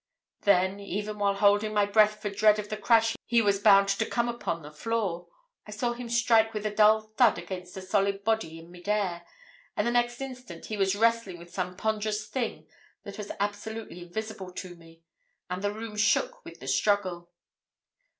Then, even while holding my breath for dread of the crash he was bound to come upon the floor, I saw him strike with a dull thud against a solid body in mid air, and the next instant he was wrestling with some ponderous thing that was absolutely invisible to me, and the room shook with the struggle.